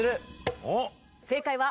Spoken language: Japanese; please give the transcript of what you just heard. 正解は。